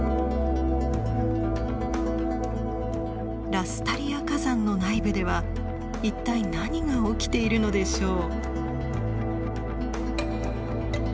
ラスタリア火山の内部では一体何が起きているのでしょう？